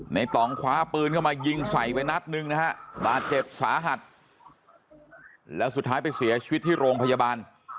ต่องคว้าปืนเข้ามายิงใส่ไปนัดหนึ่งนะฮะบาดเจ็บสาหัสแล้วสุดท้ายไปเสียชีวิตที่โรงพยาบาล